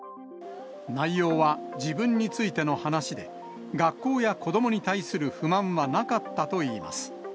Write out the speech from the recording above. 内容は自分についての話で、学校や子どもに対する不満はなかったといいます。